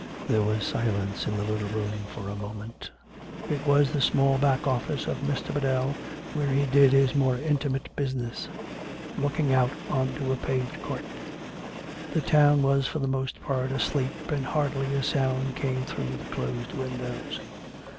There was silence in the little room for a moment. It was the small back office of Mr. Biddell, where he did his more intimate business, looking out on to a paved court. The town was for the most part asleep, and hardly a sound came through the closed windows.